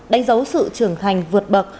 đánh dấu sự trưởng thành vượt bậc